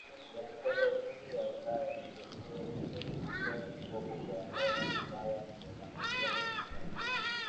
ya Vitega Uchumi ya Ulaya iliyokuwa itoe mkopo kwa Nolan ambao ungedhaminiwa na Serikali